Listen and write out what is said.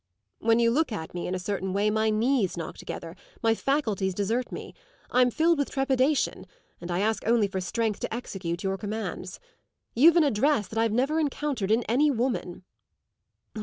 "When you look at me in a certain way my knees knock together, my faculties desert me; I'm filled with trepidation and I ask only for strength to execute your commands. You've an address that I've never encountered in any woman."